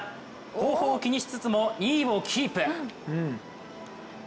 後方を気にしつつも２位をキープ。